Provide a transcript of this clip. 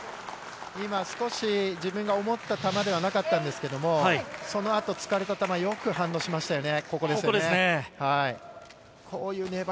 今少し自分が思った球ではなかったんですけども、そのあとつかれた球、よく反応しましたよね。